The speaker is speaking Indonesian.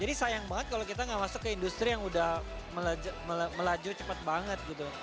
jadi sayang banget kalau kita gak masuk ke industri yang udah melaju cepat banget gitu